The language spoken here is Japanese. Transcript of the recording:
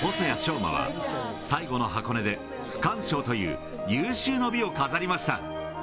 馬は、最後の箱根で区間賞という有終の美を飾りました。